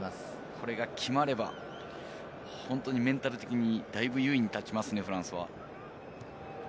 これが決まれば、メンタル的にだいぶ優位に立ちますね、フランスは。